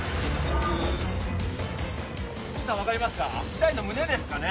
痛いの胸ですかね？